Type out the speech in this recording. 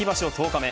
１０日目